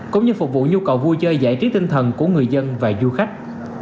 cũng như phục vụ nhu cầu vui chơi giải trí tinh thần của người dân và du khách